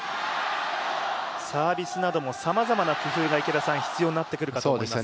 サービスなどもさまざまな工夫が必要になってくるかと思いますが。